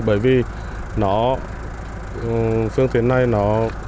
bởi vì nó